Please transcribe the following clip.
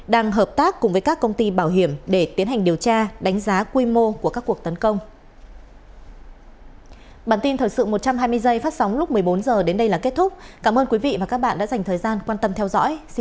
đang hợp tác cùng với các công ty bảo hiểm để tiến hành điều tra đánh giá quy mô của các cuộc tấn công